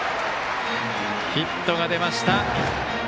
ヒットが出ました！